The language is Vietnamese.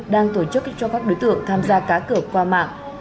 đang tổ chức cho các đối tượng tham gia cá cược qua mạng